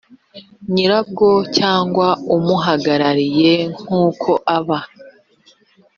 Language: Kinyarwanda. nyirabwo cyangwa umuhagarariye nk uko aba